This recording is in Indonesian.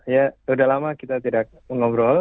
ya sudah lama kita tidak mengobrol